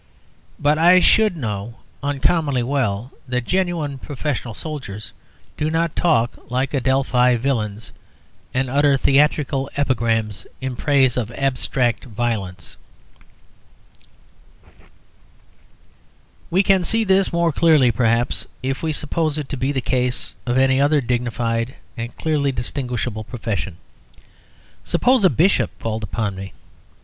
But I should know uncommonly well that genuine professional soldiers do not talk like Adelphi villains and utter theatrical epigrams in praise of abstract violence. We can see this more clearly, perhaps, if we suppose it to be the case of any other dignified and clearly distinguishable profession. Suppose a Bishop called upon me.